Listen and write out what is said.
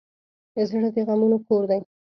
زړه د غمونو کور دی.